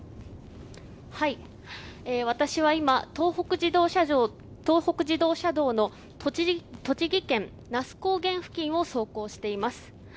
私は今、東北自動車道の栃木県那須高原付近を走行しています。